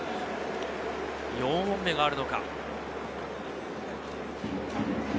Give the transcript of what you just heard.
４本目があるのか。